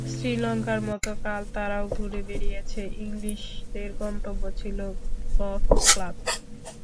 শ্রীলঙ্কার মতো কাল তারাও ঘুরে বেড়িয়েছে, ইংলিশদের গন্তব্য ছিল গলফ ক্লাব।